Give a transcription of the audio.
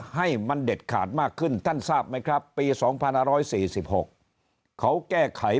ให้มันเด็ดขาดมากขึ้นท่านทราบไหมครับปี๒๕๔๖เขาแก้ไข